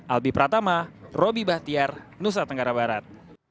albi pratama roby bahtiar nusa tenggara barat